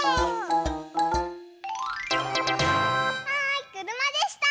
はいくるまでした！